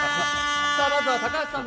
まずは高橋さん